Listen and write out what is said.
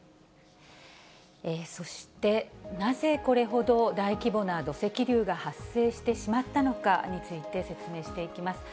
そして、なぜこれほど大規模な土石流が発生してしまったのかについて説明していきます。